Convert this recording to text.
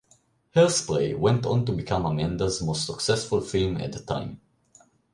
"Hairspray" went on to become Amanda's most successful film at the time.